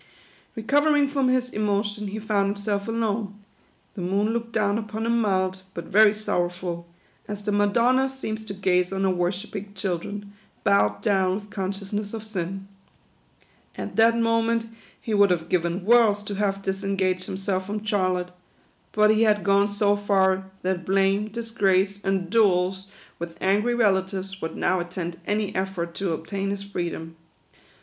Recovering from his emotion, he found himself alone. The moon looked down upon him mild, but very sorrowful ; as the Madonna seems to gaze on her worshipping children, bowed down with conscious ness of sin. At that moment he would have given worlds to have disengaged himself from Charlotte ; but he had gone so far, that blame, disgrace, and duels 63 THE QUADROONS. with angry relatives, would now attend any effort to obtain his freedom.